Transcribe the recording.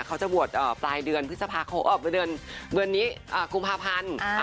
เขาจะบวชปลายเดือนพฤษภาคมออกไปเดือนนี้กุมภาพันธ์